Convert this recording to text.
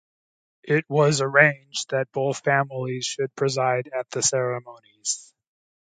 It was arranged that both families should preside at the ceremonies.